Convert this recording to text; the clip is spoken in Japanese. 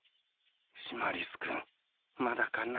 シマリス君まだかな。